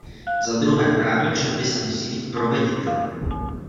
Za druhé, právní předpisy musí být proveditelné.